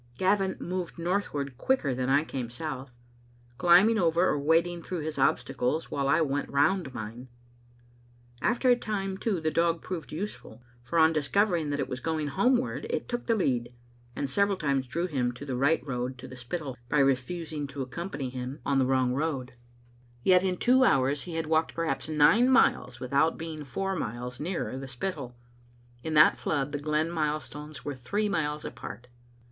Gavin moved northward quicker than I came south, climbing over or wading through his obstacles, while I went round mine. After a time, too, the dog proved useful, for on discovering that it was going homeward it took the lead, and several times drew him to the right road to the Spittal by refusing to accompany him a3 Digitized by VjOOQ IC 354 xcbc Xfttle Afnf0tet« on the wrong road. Yet in two hours he had walked perhaps nine miles without being four miles nearer the Spittal. In that flood the glen milestones were three miles apart.